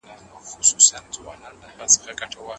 که پر چا تجاوز وسي نو مجرم به خامخا مجازات کېږي.